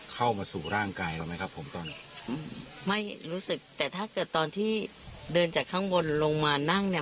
เข้ามาสู่ร่างกายเราไหมครับผมตอนนี้ไม่รู้สึกแต่ถ้าเกิดตอนที่เดินจากข้างบนลงมานั่งเนี่ย